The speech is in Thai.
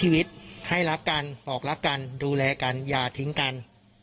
ชีวิตให้รักกันบอกรักกันดูแลกันอย่าทิ้งกัน